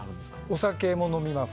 お酒飲みます。